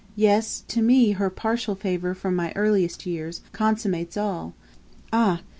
yes, to me Her partial favour from my earliest years Consummates all: ah!